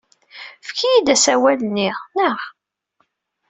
Efk-iyi-d asawal-nni, naɣ?